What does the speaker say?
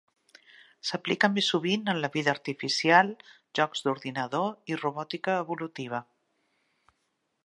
S'aplica més sovint en la vida artificial, jocs d'ordinador i robòtica evolutiva.